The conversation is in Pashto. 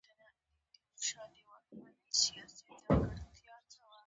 د ځینو خلکو په نظر ادیبان له مسولیت لرې دي.